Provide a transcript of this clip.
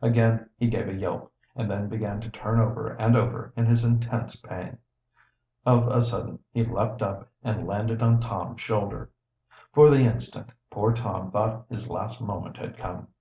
Again he gave a yelp, and then began to turn over and over in his intense pain. Of a sudden he leaped up and landed on Tom's shoulder. For the instant poor Tom thought his last moment had come.